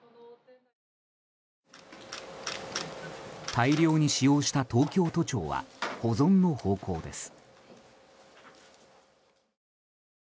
大量に使用した東京都庁は保存の方向です。